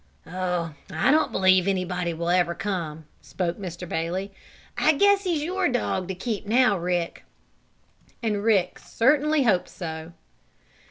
"Oh, I don't believe anybody will ever come," spoke Mr. Bailey. "I guess he's your dog to keep now, Rick." And Rick certainly hoped so.